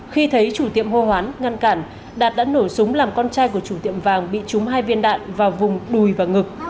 khi thấy chủ tiệm hô hoán ngăn cản đạt đã nổ súng làm con trai của chủ tiệm vàng bị trúng hai viên đạn vào vùng đùi và ngực